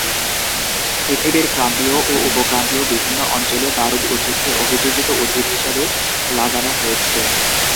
পৃথিবীর ক্রান্তীয় ও উপক্রান্তীয় বিভিন্ন অঞ্চলে বারুদ উদ্ভিদকে অভিযোজিত উদ্ভিদ হিসেবে লাগানো হয়েছে।